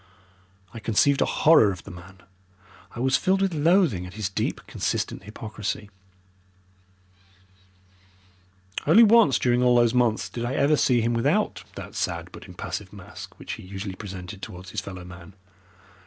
I conceived a horror of the man. I was filled with loathing at his deep, consistent hypocrisy. Only once during all those months did I ever see him without that sad but impassive mask which he usually presented towards his fellow man.